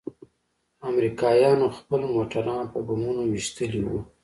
امريکايانوخپل موټران په بمونو ويشتلي وو.